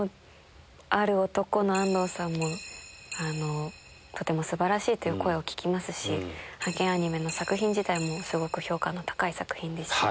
『ある男』の安藤さんもとても素晴らしいという声を聞きますし『ハケンアニメ！』の作品自体もすごく評価の高い作品ですし。